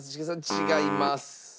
違います。